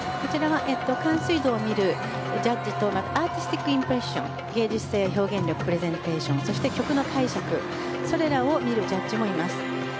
完遂度を見るジャッジと、そしてアーティスティックインプレッション芸術性の表現力プレゼンテーションそして曲の解釈それらを見るジャッジもいます。